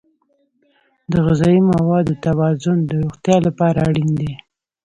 د غذایي موادو توازن د روغتیا لپاره اړین دی.